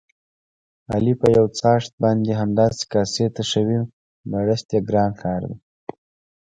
علي په یوڅآښت باندې همداسې کاسې تشوي، مړښت یې ګران کار دی.